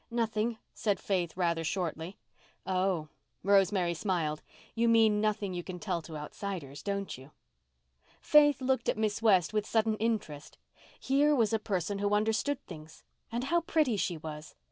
"Nothing," said Faith rather shortly. "Oh!" Rosemary smiled. "You mean nothing that you can tell to outsiders, don't you?" Faith looked at Miss West with sudden interest. Here was a person who understood things. And how pretty she was!